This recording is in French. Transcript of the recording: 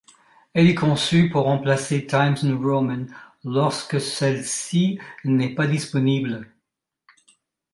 Elle est conçue pour remplacer Times New Roman lorsque celle-ci n’est pas disponible.